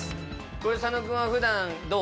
これ佐野君はふだんどう？